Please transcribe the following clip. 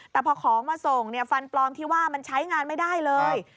แต่พอของมาส่งฟันปลอมที่ว่ามันใช้งานไม่ได้เลย